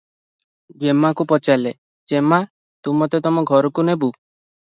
ଯେମାକୁ ପଚାରିଲେ- ଯେମା! ତୁ ମୋତେ ତମ ଘରକୁ ନେବୁ?